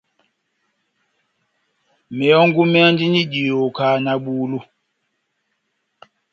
Mehɔngu méhandini diyoho kahá na bulu.